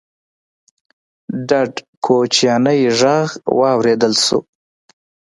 ډډ کوچيانی غږ واورېدل شو: